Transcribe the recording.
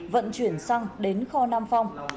vận chuyển xăng đến kho nam phong